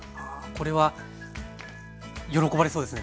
これは喜ばれそうですね